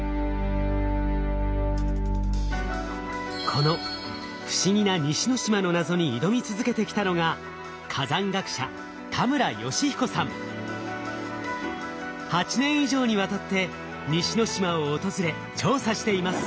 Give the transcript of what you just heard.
この不思議な西之島の謎に挑み続けてきたのが８年以上にわたって西之島を訪れ調査しています。